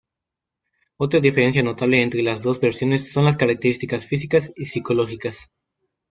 Otra diferencia notable entre las dos versiones son las características físicas y psicológicas.